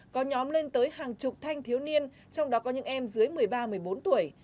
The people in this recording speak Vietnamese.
có nhóm lên tới hàng chục thanh thiếu niên trong đó có những em dưới một mươi ba một mươi bốn tuổi